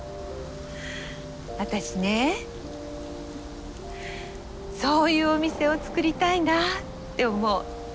私ねそういうお店を作りたいなって思う。